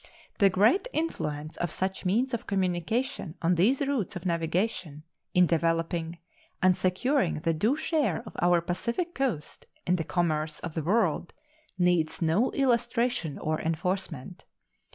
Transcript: The great influence of such means of communication on these routes of navigation in developing and securing the due share of our Pacific Coast in the commerce of the world needs no illustration or enforcement.